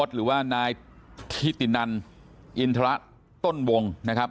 หรือว่านายทิตินันอินทรต้นวงนะครับ